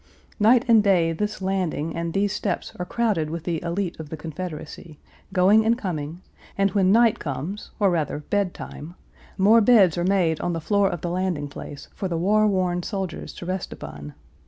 Night and day this landing and these steps are crowded with the élite of the Confederacy, going and coming, and when night comes, or rather, bedtime, more beds are made on the floor of the landing place for the war worn soldiers to rest upon.